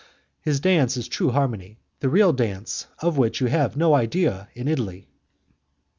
His dance is true harmony, the real dance, of which you have no idea in Italy."